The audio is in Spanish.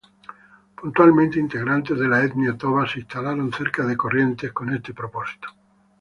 Puntualmente integrantes de la etnia toba se instalaron cerca de Corrientes con este propósito.